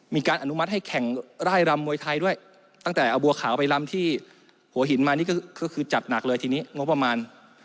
มีการอนุมัติให้แข่งไร่รำมวยไทยด้วยตั้งแต่เอาบัวขาวไปลำที่หัวหินมานี่ก็คือจัดหนักเลยทีนี้งบประมาณ